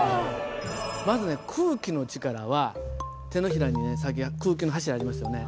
まずね空気の力は手のひらにねさっき空気の柱ありましたよね。